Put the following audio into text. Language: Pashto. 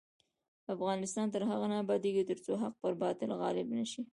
افغانستان تر هغو نه ابادیږي، ترڅو حق پر باطل غالب نشي.